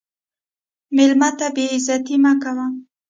مېلمه ته بې عزتي مه کوه.